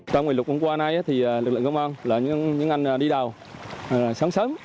trong ngày lục hôm qua này lực lượng công an là những anh đi đào sáng sớm